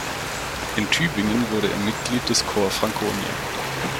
In Tübingen wurde er Mitglied des Corps Franconia.